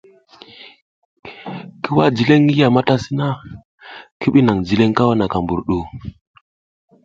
Ki wah jileƞ ngi yam a ta sina, i ɓi naƞ jileƞ kawaka mbur ɗu.